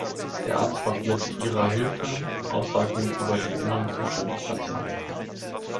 Der Arzt macht mit ihrer Hilfe Aussagen über den inneren Zustand des Patienten.